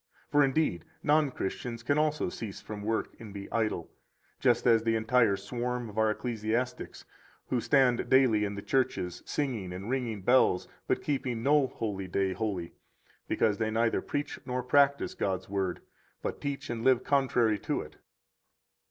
For, indeed, non Christians can also cease from work and be idle, just as the entire swarm of our ecclesiastics, who stand daily in the churches, singing, and ringing bells but keeping no holy day holy, because they neither preach nor practise God's Word, but teach and live contrary to it.